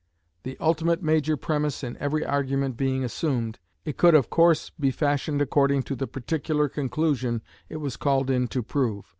The ultimate major premise in every argument being assumed, it could of course be fashioned according to the particular conclusion it was called in to prove.